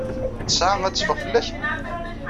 Ttesɛa ad teffeɣ fell-ak?